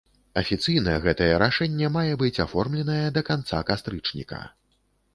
Афіцыйна гэтае рашэнне мае быць аформленае да канца кастрычніка.